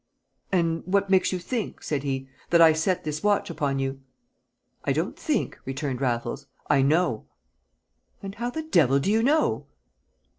"And what makes you think," said he, "that I set this watch upon you?" "I don't think," returned Raffles. "I know." "And how the devil do you know?"